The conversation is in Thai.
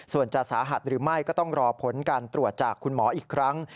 ส่วนจะสาหัสหรือไม่ก็ต้องรอผลการตรวจจากคุณหมออีกครั้ง